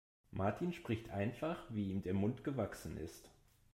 Martin spricht einfach, wie ihm der Mund gewachsen ist.